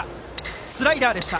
スライダーでした。